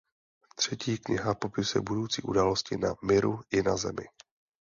Třetí kniha popisuje budoucí události na Miru i na Zemi.